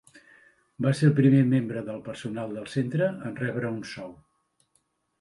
Va ser el primer membre del personal del centre en rebre un sou.